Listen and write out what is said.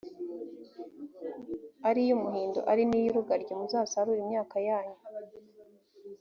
ari iy’umuhindo ari n’iy’urugaryi, muzasarure imyaka yanyu